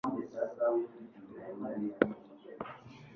Melissa McCarthy